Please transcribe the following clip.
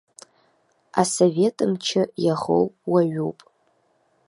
Асовет мчы иаӷоу уаҩуп.